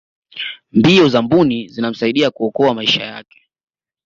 mbio za mbuni zinamsaidia kuokoa maisha yake